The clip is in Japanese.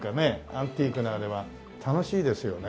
アンティークのあれは楽しいですよね。